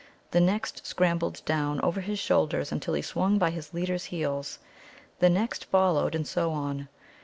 The next scrambled down over his shoulders until he swung by his leader's heels; the next followed, and so on.